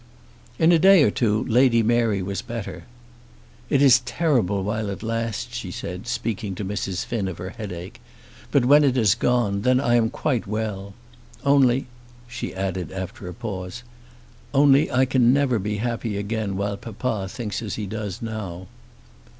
In a day or two Lady Mary was better. "It is terrible while it lasts," she said, speaking to Mrs. Finn of her headache, "but when it has gone then I am quite well. Only" she added after a pause "only I can never be happy again while papa thinks as he does now."